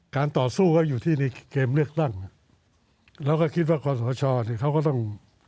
ต่อสู้ก็อยู่ที่ในเกมเลือกตั้งเราก็คิดว่าคอสชเนี่ยเขาก็ต้อง